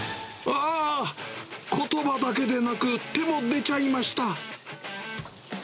あー、ことばだけでなく、手も出ちゃいました。